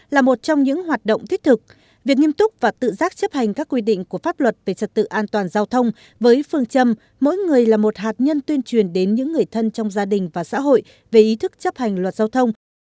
là một trong những hoạt động thiết thực việc nghiêm túc và tự giác chấp hành các quy định của pháp luật về trật tự an toàn giao thông với phương châm mỗi người là một hạt nhân tuyên truyền đến những người thân trong gia đình và xã hội về ý thức chấp hành luật giao thông